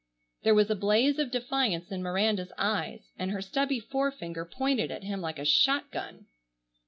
_" There was a blaze of defiance in Miranda's eyes, and her stubby forefinger pointed at him like a shotgun.